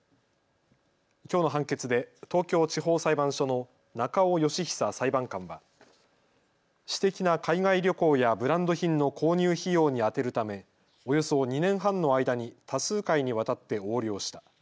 きょうの判決で東京地方裁判所の中尾佳久裁判官は私的な海外旅行やブランド品の購入費用に充てるためおよそ２年半の間に多数回にわたって横領した。